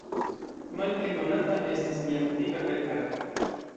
Malpli konata estas lia muzika verkaro.